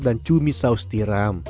dan cumi saus tiram